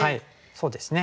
そうですね。